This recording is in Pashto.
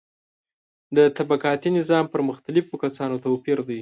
د طبقاتي نظام پر مختلفو کسانو توپیر دی.